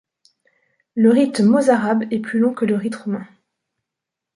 Le rite mozarabe est plus long que le rite romain.